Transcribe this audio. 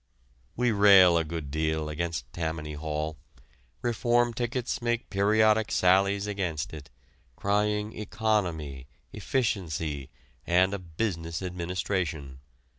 We rail a good deal against Tammany Hall. Reform tickets make periodic sallies against it, crying economy, efficiency, and a business administration.